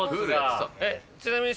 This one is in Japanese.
ちなみに。